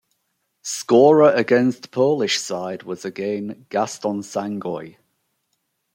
Scorer against Polish side was again Gaston Sangoy.